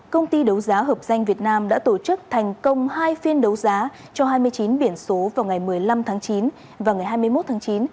công ty đấu giá hợp danh việt nam đã tổ chức thành công hai phiên đấu giá cho hai mươi chín biển số vào ngày một mươi năm tháng chín và ngày hai mươi một tháng chín